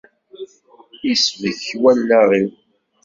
Isbek wallaɣ-im.